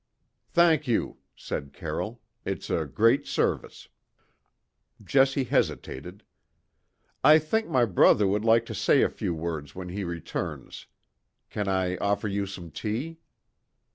"Thank you," said Carroll. "It's a great service." Jessie hesitated. "I think my brother would like to say a few words when he returns. Can I offer you some tea?"